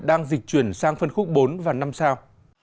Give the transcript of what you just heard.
đang dịch chuyển sang phân khúc bốn và năm sao